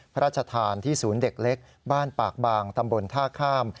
พระราชทานที่ศูนย์เด็กเล็กบ้านปากบางตำบลท่าข้าม